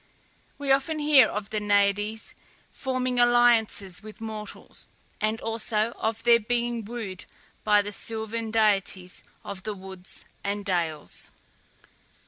We often hear of the Naiades forming alliances with mortals, and also of their being wooed by the sylvan deities of the woods and dales.